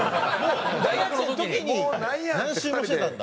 大学生の時に何周もしてたんだ？